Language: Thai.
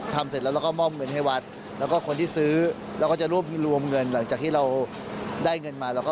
ว่าทำแล้วชีวิตมันก็ดีขึ้นนะคะ